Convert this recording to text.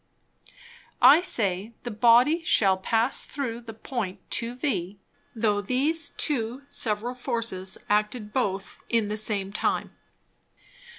I say, the Body shall pass through the Point to V, though these two several Forces acted both in the same time.